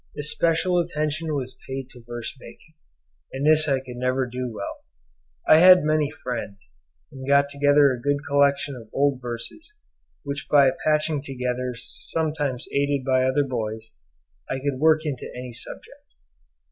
Especial attention was paid to verse making, and this I could never do well. I had many friends, and got together a good collection of old verses, which by patching together, sometimes aided by other boys, I could work into any subject.